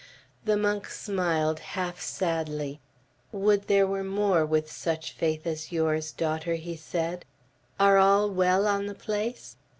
The monk smiled half sadly. "Would there were more with such faith as yours, daughter," he said. "Are all well on the place?"